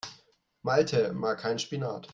Malte mag keinen Spinat.